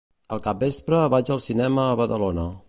Al capvespre vaig al cinema a Badalona.